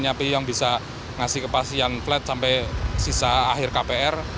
nyapi yang bisa ngasih kepastian flat sampai sisa akhir kpr